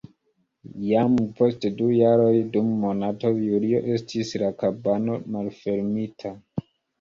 Jam post du jaroj dum monato julio estis la kabano malfermita.